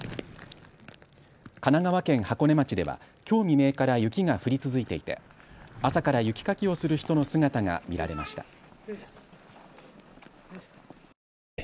神奈川県箱根町ではきょう未明から雪が降り続いていて朝から雪かきをする人の姿が見られました。